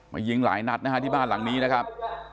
ยิงหลายนัดนะฮะที่บ้านหลังนี้นะครับ